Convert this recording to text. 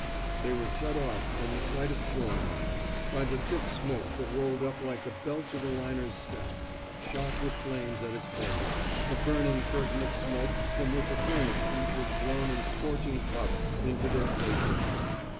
" They were shut off from the sight of shore, now, by the thick oil smoke that rolled up like the belch of a liner's stack, shot with flames at its base, — a burning curtain of smoke from which a furnace heat was blown in scorching puffs into their faces.